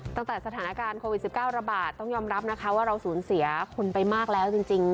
ตั้งแต่สถานการณ์โควิด๑๙ระบาดต้องยอมรับนะคะว่าเราสูญเสียคนไปมากแล้วจริง